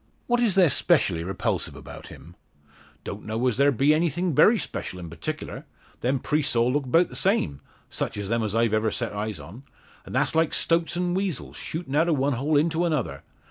"What is there specially repulsive about him?" "Don't know as there be any thin' very special, in partickler. Them priests all look bout the same such o' 'em as I've ever set eyes on. And that's like stoats and weasels, shootin' out o' one hole into another.